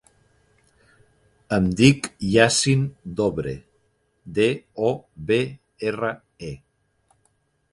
Em dic Yassin Dobre: de, o, be, erra, e.